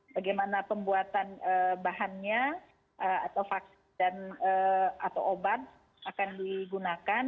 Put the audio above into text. bagaimana pembuatan bahannya atau vaksin atau obat akan digunakan